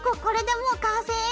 これでもう完成？